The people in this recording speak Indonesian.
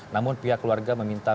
namun pihak keluarga meminta